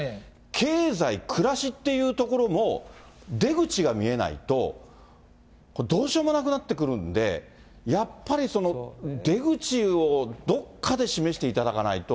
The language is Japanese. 経済、暮らしっていうところも出口が見えないと、どうしようもなくなってくるんで、やっぱり出口をどっかで示していただかないと。